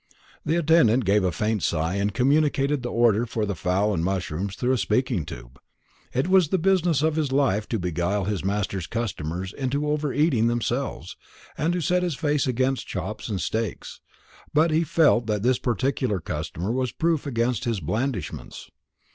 The attendant gave a faint sigh, and communicated the order for the fowl and mushrooms through a speaking tube. It was the business of his life to beguile his master's customers into over eating themselves, and to set his face against chops and steaks; but he felt that this particular customer was proof against his blandishments.